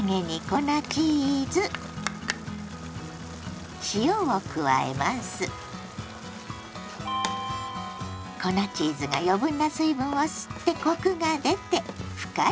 粉チーズが余分な水分を吸ってコクが出て深い味わいになるの。